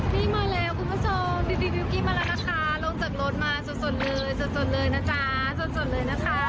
นี่มาแล้วคุณผู้ชมดีวิวกี้มาแล้วนะคะลงจากรถมาสดเลยสดเลยนะจ๊ะสดเลยนะคะ